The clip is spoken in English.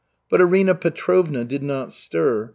But Arina Petrovna did not stir.